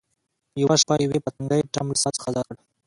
یوه شپه یوې پتنګې ټام له ساعت څخه ازاد کړ.